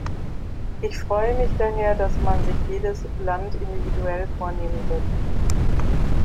Ich freue mich daher, dass man sich jedes Land individuell vornehmen wird.